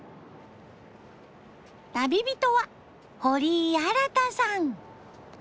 旅人は堀井新太さん。